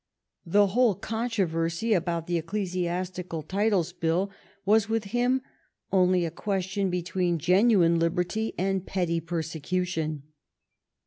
The whole controversy about the Ecclesi astical Titles Bill was with him only a question between genuine liberty and petty persecution.